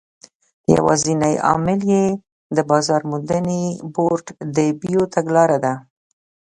یوازینی عامل یې د بازار موندنې بورډ د بیو تګلاره ده.